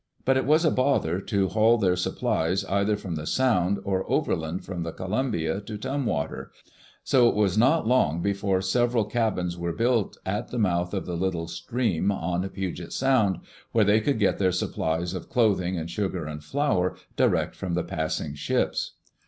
But it was a bother to haul their supplies either from the Sound or overland from the Columbia to Tumwater, so it was not long before several cabins were built at the mouth of the little stream on Puget Sound, where they could get their supplies of cloth ing and sugar and flour direct from the passing ships.